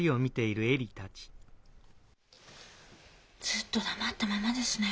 ずっと黙ったままですね。